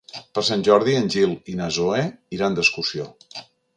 Per Sant Jordi en Gil i na Zoè iran d'excursió.